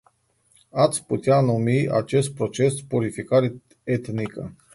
Ați putea numi acest proces purificare etnică.